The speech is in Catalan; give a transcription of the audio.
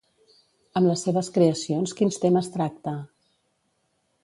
Amb les seves creacions quins temes tracta?